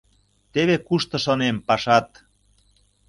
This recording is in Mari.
Теве кушто шонем, пашат!